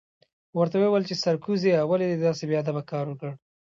ورته ویې ویل چې سرکوزیه ولې دې داسې بې ادبه کار وکړ؟